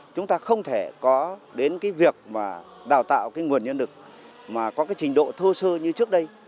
chúng ta không thể có đến việc đào tạo nguồn nhân lực mà có trình độ thô sư như trước đây